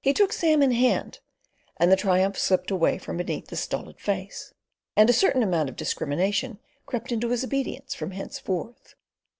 He took Sam in hand, and the triumph slipped away from beneath the stolid face, and a certain amount of discrimination crept into his obedience from henceforth.